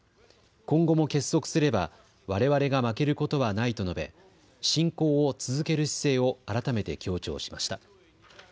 今後も結束すればわれわれが負けることはないと述べ侵攻を続ける姿勢を改めて強調しました。